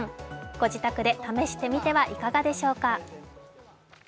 ご自宅で試してみてはいかがでしょうか。